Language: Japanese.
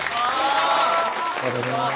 ありがとうございます。